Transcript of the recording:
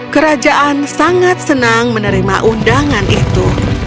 kerajaan sangat senang menerima undangan itu